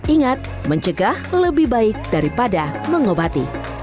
ingat mencegah lebih baik daripada mengobati